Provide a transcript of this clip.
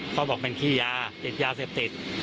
เขาบอกเป็นขี้ยาติดยาเสพติด